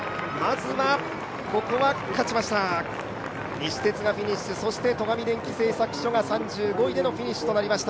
西鉄がフィニッシュ、戸上電機製作所が３５位でフィニッシュとなりました。